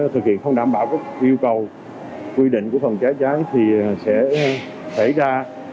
thực hiện không đảm bảo các yêu cầu quy định của phòng cháy cháy thì sẽ xảy ra